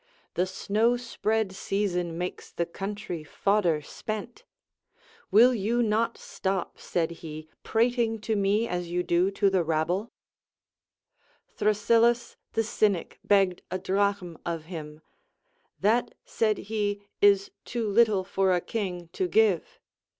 The snow spread season makes the country fodder spent ; Will you not stop, said he, prating to me as you do to the rabble ] Thrasyllus the Cynic begged a drachm of him. That, said he, is too little for a king to give.